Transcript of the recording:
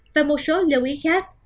và một số lưu ý khác